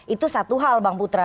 itu satu hal bang putra